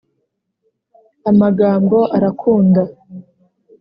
amagambo arakunda